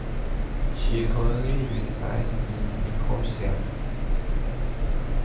She currently resides in Nicosia.